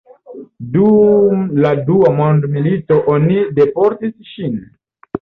Dum la dua mondmilito oni deportis ŝin.